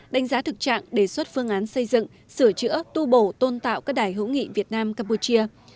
đánh giá thực trạng đề xuất phương án xây dựng sửa chữa tu bổ tôn tạo các đài hữu nghị việt nam campuchia